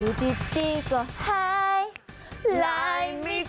ดูดิดดี้ก็ไฮไลน์มีตอบ